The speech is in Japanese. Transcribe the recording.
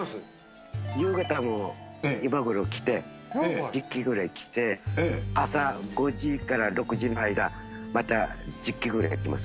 夕方の今頃来て、１機ぐらい来て、朝５時から６時の間、また１０機ぐらい来ます。